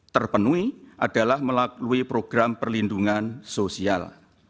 terpenuhi adalah melalui program perlindungan sosial